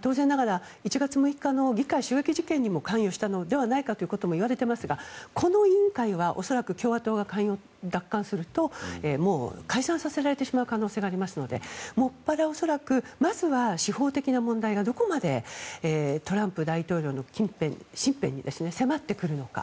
当然ながら１月６日の議会襲撃事件にも関与したのではないかということもいわれていますがこの委員会は恐らく、共和党が下院を奪還するともう解散させられてしまう可能性がありますのでもっぱら、恐らくまずは司法的な問題がどこまでトランプ前大統領の身辺に迫ってくるのか。